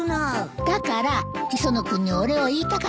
だから磯野君にお礼を言いたかったのよ。